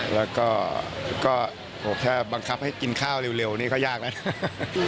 แล้วก็แค่บังคับให้กินข้าวเร็วนี่ก็ยากแล้วนะ